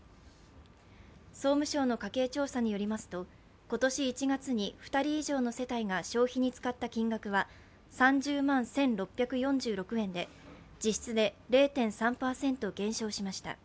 総務省の家計調査によりますと、今年１月に２人以上の世帯が消費に使った金額は３０万１６４６円で実質で０．３％減少しました。